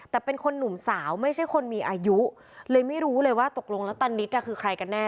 แต่เป็นคนหนุ่มสาวไม่ใช่คนมีอายุเลยไม่รู้เลยว่าตกลงแล้วตานิดคือใครกันแน่